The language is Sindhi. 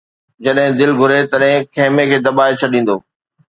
جڏھن دل گھري تڏھن خيمي کي دٻائي ڇڏيندو